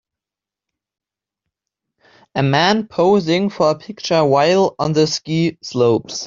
A man posing for a picture while on the ski slopes.